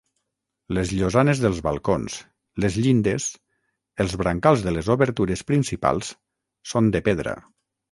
Les llosanes dels balcons, les llindes, els brancals de les obertures principals són de pedra.